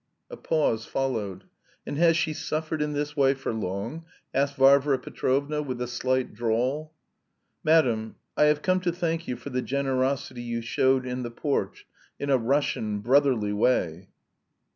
A pause followed. "And has she suffered in this way for long?" asked Varvara Petrovna, with a slight drawl. "Madam, I have come to thank you for the generosity you showed in the porch, in a Russian, brotherly way."